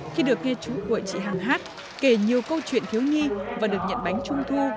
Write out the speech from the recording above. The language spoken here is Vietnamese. khi được nghe chú của chị hằng hát kể nhiều câu chuyện thiếu nhi và được nhận bánh trung thu